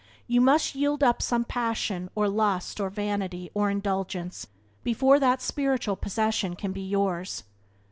You must yield up some passion or lust or vanity or indulgence before the spiritual possession can be yours.